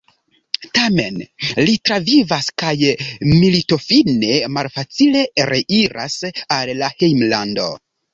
Tamen, li travivas kaj militofine malfacile reiras al la hejmlando.